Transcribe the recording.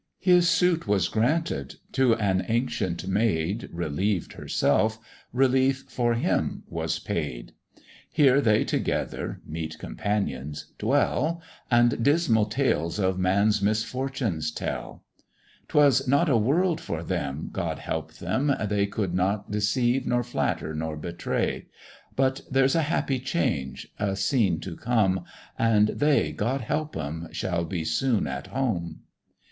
His suit was granted; to an ancient maid, Relieved herself, relief for him was paid: Here they together (meet companions) dwell, And dismal tales of man's misfortunes tell: "'Twas not a world for them, God help them, they Could not deceive, nor flatter, nor betray; But there's a happy change, a scene to come, And they, God help them! shall be soon at home."